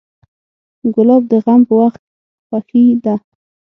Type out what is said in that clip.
ګلاب د غم په وخت خوښي ده.